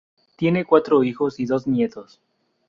Tiene cuatro hijos y dos nietos.